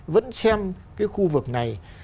vẫn xem cái khu vực này